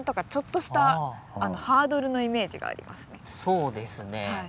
そうですね